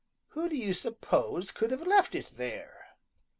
Who do you suppose could have left it there?"